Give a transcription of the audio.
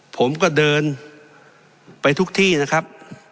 ผมก็เดินไปทุกที่นะครับ